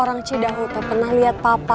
orang cidahuto pernah liat papa